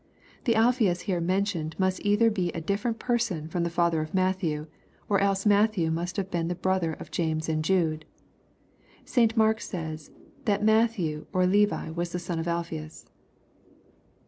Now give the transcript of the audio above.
The Alphseus here mentioned must either be a difierent person from the father of Matthew, or else Matthew must have been brother of James and Jude. St. Mark says, that Matthew or Levi was the son of Alphaeus.